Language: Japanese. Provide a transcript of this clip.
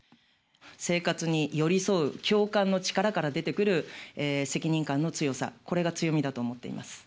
生活に寄り添う共感の力から出てくる責任感の強さ、これが強みだと思っています。